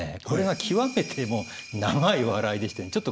これが極めて長い笑いでしてね